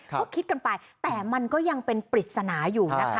ก็คิดกันไปแต่มันก็ยังเป็นปริศนาอยู่นะคะ